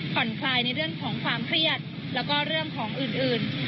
คลายในเรื่องของความเครียดแล้วก็เรื่องของอื่น